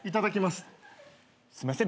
すいません。